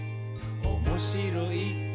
「おもしろい？